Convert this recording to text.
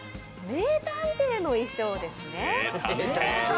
名探偵風衣装です。